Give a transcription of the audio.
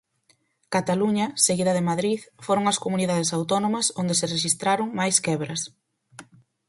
Cataluña, seguida de Madrid, foron as comunidades autónomas onde se rexistraron máis quebras.